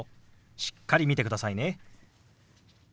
しっかり見てくださいね。